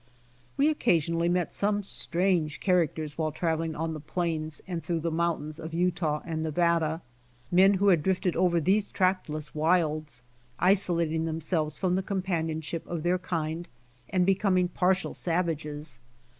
We occasionally met some strange characters while traveling on the plains and through the moun tains of Utah and Nevada, — men who had drifted over these tract less wilds, isolating themselves from the companionship of their kind, and becoming partial savages.